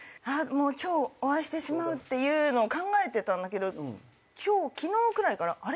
もう今日お会いしてしまうっていうの考えてたんだけど昨日くらいからあれ？